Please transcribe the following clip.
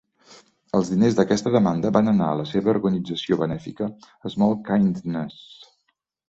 Els diners d'aquesta demanda van anar a la seva organització benèfica "Small Kindness".